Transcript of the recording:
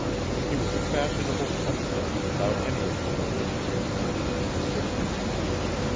He was a fashionable cut throat without any of the milk of human kindness in his system.